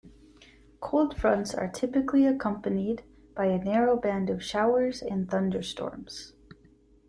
Cold fronts are typically accompanied by a narrow band of showers and thunderstorms.